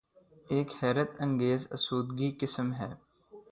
ایک حیرت انگیز آسودگی قسم ہے۔